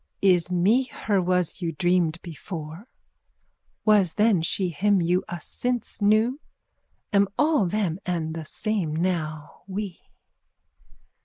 _ Is me her was you dreamed before? Was then she him you us since knew? Am all them and the same now we?